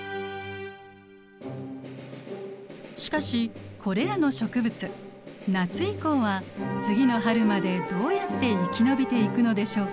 しかしこれらの植物夏以降は次の春までどうやって生き延びていくのでしょうか。